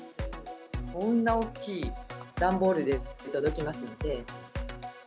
こんな大きい段ボールで届きますので。